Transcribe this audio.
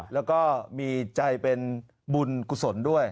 แล้วก็มีใจเป็นบุญกุศลด้วย